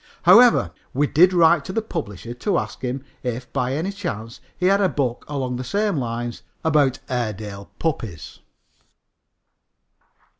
However, we did write to the publisher to ask him if by any chance he had a book along the same lines about Airedale puppies.